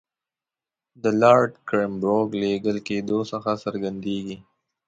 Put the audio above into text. د لارډ کرېنبروک لېږل کېدلو څخه څرګندېږي.